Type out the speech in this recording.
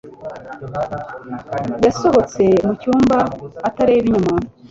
yasohotse mucyumba atareba inyuma.